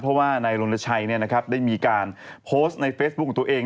เพราะว่าในรนรชัยเนี่ยนะครับได้มีการโพสต์ในเฟซบุ๊คของตัวเอง